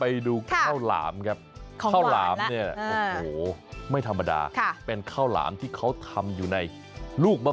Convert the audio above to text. ที่จังหวัดอุดรธานีไปดูกันหน่อยครับ